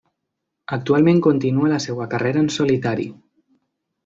Actualment continua la seva carrera en solitari.